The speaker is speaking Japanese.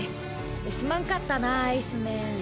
すまんかったなアイスメン。